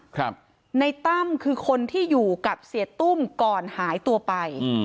นายตั้มคือคนที่อยู่กับเสียตู้มก่อนหายตัวไป